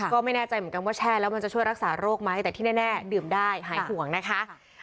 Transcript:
ก็ไม่แน่ใจเหมือนกันว่าแช่แล้วมันจะช่วยรักษาโรคไหมแต่ที่แน่ดื่มได้หายห่วงนะคะ